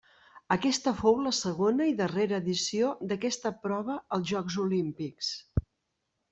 Aquesta fou la segona i darrere edició d'aquesta prova als Jocs Olímpics.